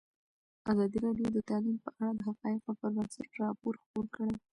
ازادي راډیو د تعلیم په اړه د حقایقو پر بنسټ راپور خپور کړی.